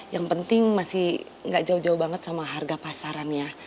yang penting masih gak jauh jauh banget sama harga pasarannya